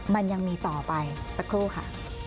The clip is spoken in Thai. มันยังมีต่อไปสักครู่ค่ะ